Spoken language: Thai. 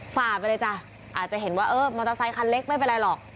ฝ่าไปเลยจ้ะอาจจะเห็นว่าเออมอเตอร์ไซคันเล็กไม่เป็นไรหรอก